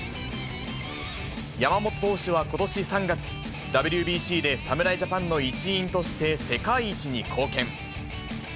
山本投手はことし３月、ＷＢＣで侍ジャパンの一員として世界一に貢献。